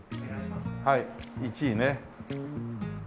はい１位ね。